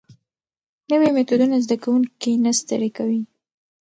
نوي میتودونه زده کوونکي نه ستړي کوي.